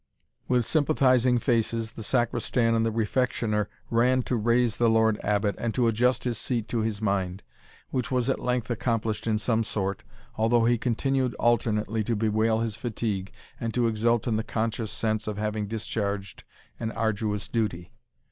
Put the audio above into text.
With sympathizing faces, the Sacristan and the Refectioner ran to raise the Lord Abbot, and to adjust his seat to his mind, which was at length accomplished in some sort, although he continued alternately to bewail his fatigue, and to exult in the conscious sense of having discharged an arduous duty.